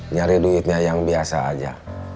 nyari duitnya yang biasa aja